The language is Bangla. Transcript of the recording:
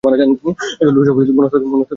এগুলোর সবই মনস্তাত্ত্বিক কল্যাণের উপাদান।